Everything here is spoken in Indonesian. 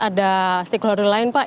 ada stakeholder lain pak